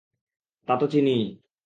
তা তো চিনিই।